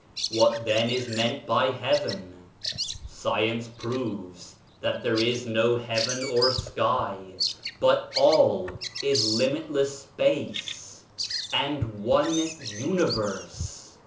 What then is meant by * Heaven?' Science proves that there is no heaven or sky, but all is limitless space and one universe.